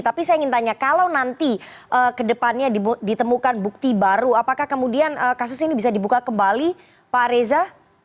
tapi saya ingin tanya kalau nanti ke depannya ditemukan bukti baru apakah kemudian kasus ini bisa dibuka kembali pak reza